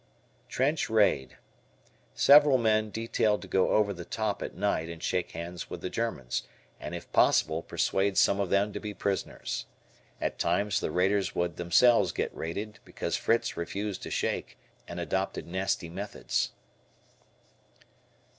Trench Raid. Several men detailed to go over the top at night and shake hands with the Germans, and, if possible, persuade some of them to be prisoners. At times the raiders would themselves get raided because Fritz refused to shake and adopted nasty methods.